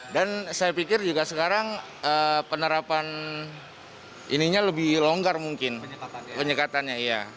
dan saya pikir juga sekarang penerapan ininya lebih longgar mungkin penyekatannya